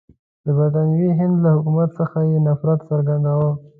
د برټانوي هند له حکومت څخه یې نفرت څرګندوه.